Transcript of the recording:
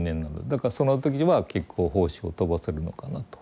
だからその時は結構胞子を飛ばせるのかなと。